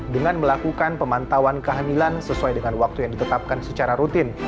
dengan melakukan pemantauan kehamilan sesuai dengan waktu yang ditetapkan secara rutin